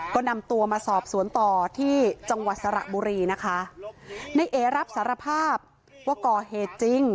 ก็นำตัวมาสอบสวนต่อที่จังหวัดสระบุรีนะคะในเอรับสารภาพว่าก่อเหตุจริง